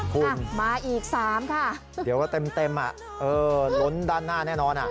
คุณมาอีก๓ค่ะเดี๋ยวก็เต็มล้นด้านหน้าแน่นอน